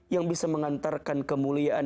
yang bisa mengantarkan kemuliaan